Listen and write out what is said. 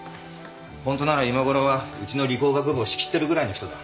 ホントなら今ごろはうちの理工学部を仕切ってるぐらいの人だ。